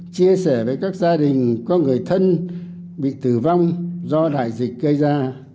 chia sẻ với các gia đình có người thân bị tử vong do đại dịch gây ra